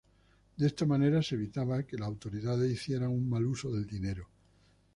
De esta manera se evitaba que las autoridades hicieran un mal uso del dinero.